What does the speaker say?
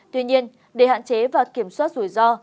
tuy nhiên để hạn chế và kiểm soát rủi ro